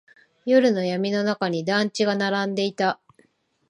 夜の闇の中に団地が並んでいた。